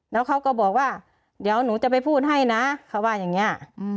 แล้วเขาก็บอกว่าเดี๋ยวหนูจะไปพูดให้นะเขาว่าอย่างนี้